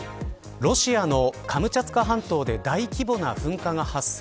ロシアのカムチャツカ半島で大規模な噴火が発生。